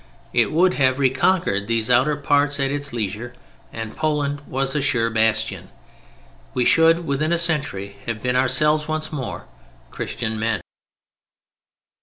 It would have reconquered these outer parts at its leisure: and Poland was a sure bastion. We should, within a century, have been ourselves once more: Christian men.